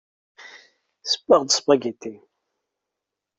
Ssewweɣ-d aspagiti.